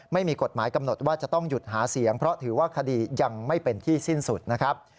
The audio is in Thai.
ไม่มีกฎหมายกำหนดว่าจะต้องหยุดหาเสียงเพราะถือว่าคดียังไม่เป็นที่สิ้นสุดนะครับ